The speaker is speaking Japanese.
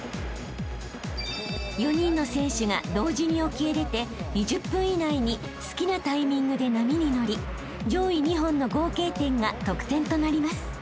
［４人の選手が同時に沖へ出て２０分以内に好きなタイミングで波に乗り上位２本の合計点が得点となります］